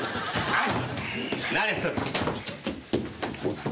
はい。